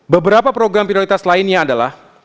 beberapa program prioritas lainnya adalah